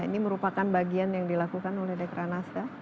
ini merupakan bagian yang dilakukan oleh dekra nasdaq